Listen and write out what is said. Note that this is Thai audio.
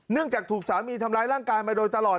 เนื่องจากถูกสามีทำลายร่างกายมาโดยตลอด